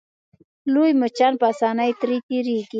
لوی مچان په اسانۍ ترې تېرېږي.